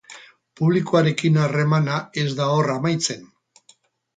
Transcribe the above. Publikoarekin harremana ez da hor amaitzen.